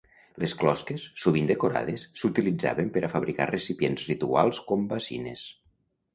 Les closques, sovint decorades, s'utilitzaven per a fabricar recipients rituals com bacines.